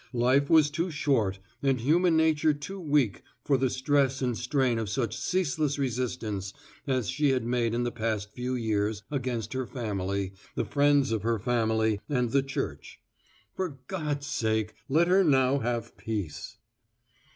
Life was too short and human nature too weak for the stress and strain of such ceaseless resistance as she had made in the past few years against her family, the friends of her family, and the Church. For God's sake let her now have peace.